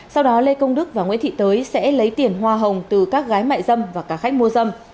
sau đó lê công đức và nguyễn thị tới sẽ lấy tiền hoa hồng từ các gái mại dâm và cả khách mua dâm